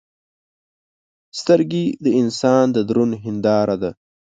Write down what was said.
سترګې د انسان د درون هنداره ده